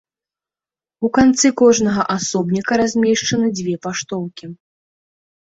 У канцы кожнага асобніка размешчаны дзве паштоўкі.